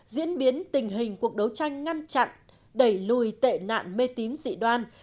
diễn biến tình hình cuộc đấu tranh ngăn chặn đẩy lùi tệ nạn mê tín dị đoan